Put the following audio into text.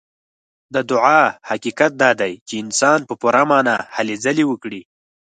د دعا حقيقت دا دی چې انسان په پوره معنا هلې ځلې وکړي.